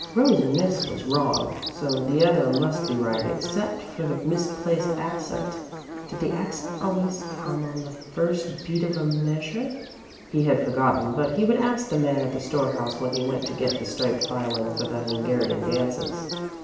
"Rose Miss" was wrong, so the other must be right, except for the misplaced accent. Did the accent always come on the first beat of a measure? He had forgotten, but he would ask the man at the storehouse when he went to get the striped violin for the Hungarian Dances.